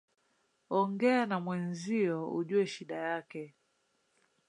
Ongea na mwenzio ujue shida yake